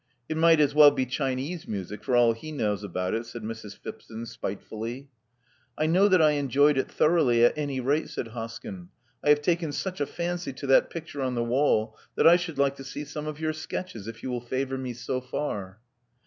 "It might as well be Chinese music for all he knows about it," said Mrs. Phipson spitefully. I know that I enjoyed it thoroughly, at any rate/* said Hoskyn. I have taken such a fancy to that picture on the wall that I should like to see some of your sketches, if you will favor me so far."